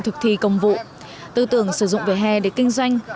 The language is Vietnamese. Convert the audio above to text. thực thi công vụ tư tưởng sử dụng vỉa hè để kinh doanh